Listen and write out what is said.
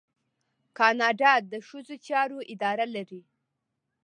کاناډا د ښځو چارو اداره لري.